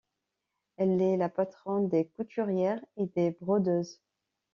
Elle est la patronne des couturières et des brodeuses.